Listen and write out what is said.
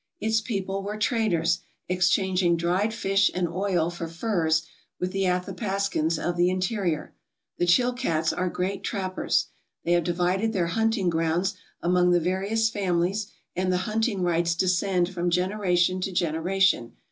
Its people were traders, exchanging dried fish and oil for furs with the Athapascans of the interior. The Chilkats are great trappers. They have divided their hunting grounds among the various families and the hunting rights descend from generation to genera tion.